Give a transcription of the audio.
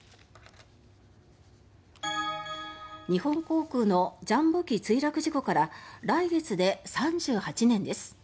日本航空のジャンボ機墜落事故から来月で３８年です。